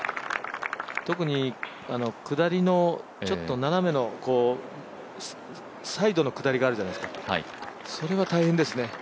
特に下りの斜めのサイドの下りがあるじゃないですか、それは大変ですね。